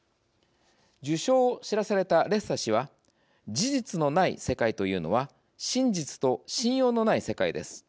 受賞を知らされたレッサ氏は「事実のない世界というのは真実と信用のない世界です。